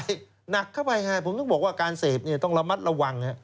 หนักเข้าไปไงผมถึงบอกว่าการเสพต้องระมัดระวัง